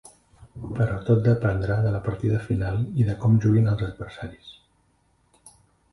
Però tot dependrà de la partida final, i de com juguin els adversaris.